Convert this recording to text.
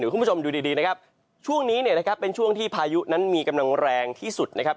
คุณผู้ชมดูดีนะครับช่วงนี้เนี่ยนะครับเป็นช่วงที่พายุนั้นมีกำลังแรงที่สุดนะครับ